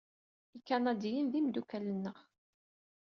Ikanadiyen d imeddukal-nneɣ.